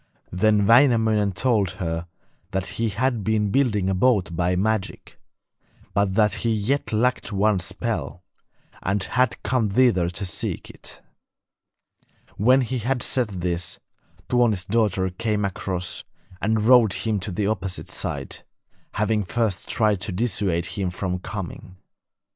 Then Wainamoinen told her that he had been building a boat by magic, but that he yet lacked one spell, and had come thither to seek it. When he had said this, Tuoni's daughter came across and rowed him to the opposite side, having first tried to dissuade him from coming.